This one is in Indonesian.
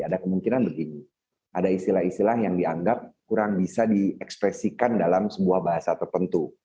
ada kemungkinan begini ada istilah istilah yang dianggap kurang bisa diekspresikan dalam sebuah bahasa tertentu